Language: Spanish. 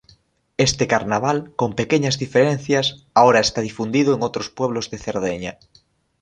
Este Carnaval, con pequeñas diferencias, ahora está difundido en otros pueblos de Cerdeña.